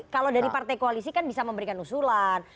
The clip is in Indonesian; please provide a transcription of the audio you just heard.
kalau dari partai koalisi kan bisa memberikan usulan